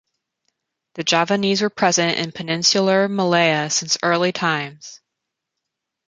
The Javanese were present in Peninsular Malaya since early times.